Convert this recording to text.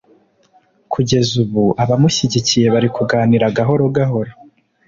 Kugeza ubu abamushyigikiye bari kuganira gahoro gahoro